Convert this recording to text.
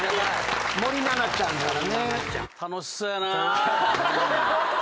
森七菜ちゃんから。